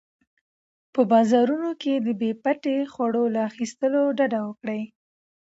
په بازارونو کې د بې پټي خواړو له اخیستلو ډډه وکړئ.